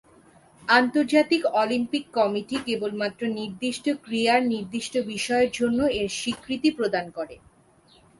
আন্তর্জাতিক Olympic committee কেবলমাত্র নির্দিষ্ট ক্রীড়ার নির্দিষ্ট বিষয়ের জন্য এর স্বীকৃতি প্রদান করে।